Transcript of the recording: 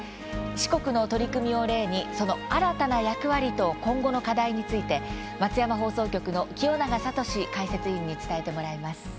四国の取り組みを例にその新たな役割と今後の課題について松山放送局の清永聡解説委員に伝えてもらいます。